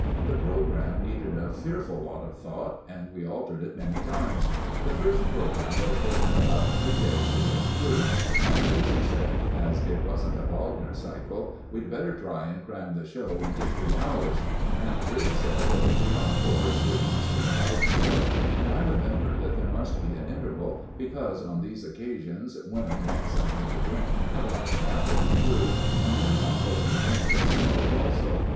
The programme needed a fearful lot of thought, and we altered it many times. The first programme would have taken about three days to get through, and Tracey said, as it wasn't a Wagner Cycle, we'd better try and cram the show into three hours; and Briggs said there would be encores, which must be allowed for; and I remembered that there must be an interval, because on these occasions women want something to drink about half way through, and men want both to drink and smoke also.